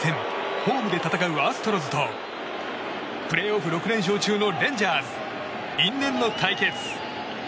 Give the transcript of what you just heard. ホームで戦うアストロズとプレーオフ６連勝中のレンジャーズ、因縁の対決。